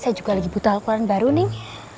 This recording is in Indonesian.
saya juga lagi butuh alquran baru neng